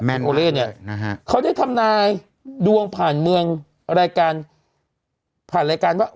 โอเล่เนี่ยนะฮะเขาได้ทำนายดวงผ่านเมืองรายการผ่านรายการว่า